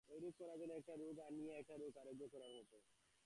ঐরূপ করা যেন একটা রোগ আনিয়া আর একটা রোগ আরোগ্য করার মত।